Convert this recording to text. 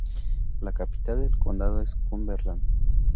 La capital del condado es Cumberland.